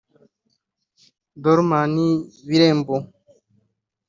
Dorman Birembo